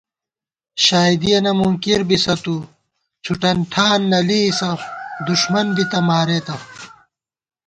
شائیدِیَنہ مُنکِر بِسہ تُوڅُھوٹن ٹھان نہ لېئیسہ دُݭمن بِتہ مارِمېت